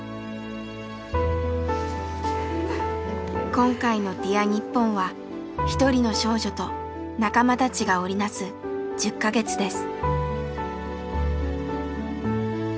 今回の「Ｄｅａｒにっぽん」は一人の少女と仲間たちが織り成す１０か月です。